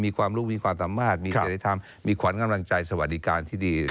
มีความรู้มีความสามารถมีจริยธรรมมีขวัญกำลังใจสวัสดิการที่ดี